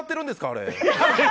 あれ。